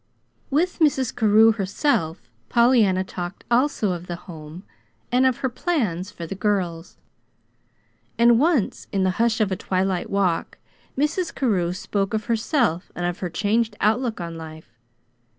With Mrs. Carew herself Pollyanna talked also of the Home, and of her plans for the girls. And once, in the hush of a twilight walk, Mrs. Carew spoke of herself and of her changed outlook on life.